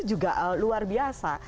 juga luar biasa